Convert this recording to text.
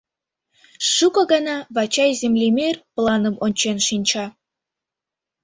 Шуко гана Вачай землемер планым ончен шинча.